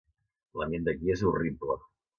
L'ambient d'aquí és horrible